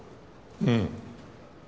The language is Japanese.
うん。